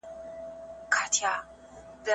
دې کیسې زما په فکر کې یو ډېر مثبت بدلون راوستی دی.